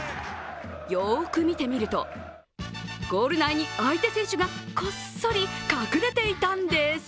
よく見てみると、ゴール内に相手選手がこっそり隠れていたんです。